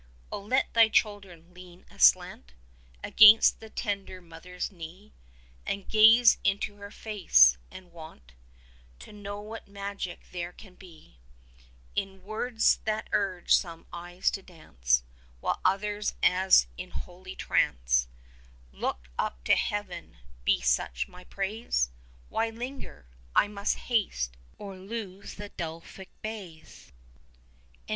O let thy children lean aslant Against the tender mother's knee, And gaze into her face, and want 35 To know what magic there can be In words that urge some eyes to dance, While others as in holy trance Look up to heaven: be such my praise! Why linger? I must haste, or lose the Delphic bays. W. S.